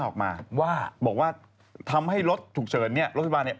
เข้าใจปุ๊กรีบเนอะ